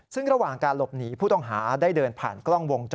ซึ่งระหว่างการหลบหนีผู้ต้องหาได้เดินผ่านกล้องวงจร